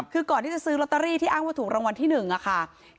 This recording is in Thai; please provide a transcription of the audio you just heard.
คือก่อนที่จะซื้อลอตเตอรี่ที่อ้างว่าถูกรางวัลที่๑ค่ะ